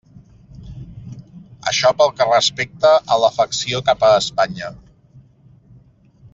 Això pel que respecta a l'afecció cap a Espanya.